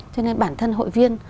cho nên bản thân hội viên